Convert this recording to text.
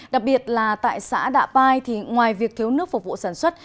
đặc biệt là tại xã đạ pai thì ngoài việc thiếu nước phục vụ sản xuất